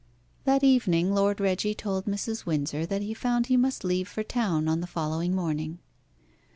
That evening Lord Reggie told Mrs. Windsor that he found he must leave for town on the following morning.